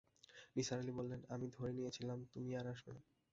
নিসার আলি বললেন, আমি ধরে নিয়েছিলাম তুমি আর আসবে না।